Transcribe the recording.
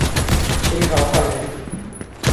清朝翰林。